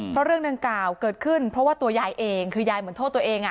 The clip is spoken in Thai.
เพราะเรื่องดังกล่าวเกิดขึ้นเพราะว่าตัวยายเองคือยายเหมือนโทษตัวเอง